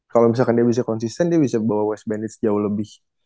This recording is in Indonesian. kalau misalkan dia bisa konsisten dia bisa bawa west bandit jauh lebih